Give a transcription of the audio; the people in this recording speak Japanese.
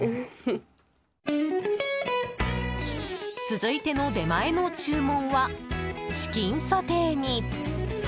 続いての出前の注文はチキンソテーに。